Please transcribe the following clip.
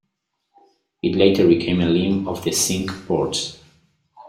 It later became a limb of the Cinque Ports.